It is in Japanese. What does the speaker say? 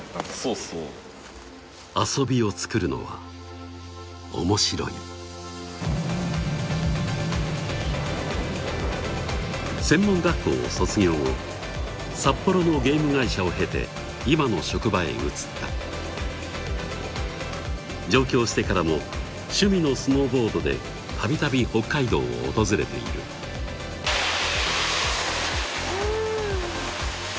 そうそう遊びを作るのは面白い専門学校を卒業後札幌のゲーム会社を経て今の職場へ移った上京してからも趣味のスノーボードで度々北海道を訪れているフ！